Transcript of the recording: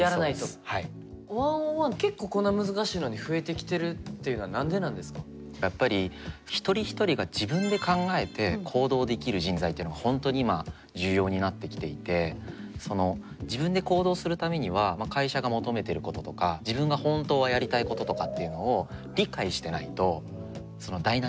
１ｏｎ１結構こんな難しいのにやっぱり一人一人が自分で考えて行動できる人材っていうのが本当に今重要になってきていてその自分で行動するためには会社が求めていることとか自分が本当はやりたいこととかっていうのを理解してないとダイナミックに動けないじゃないですか。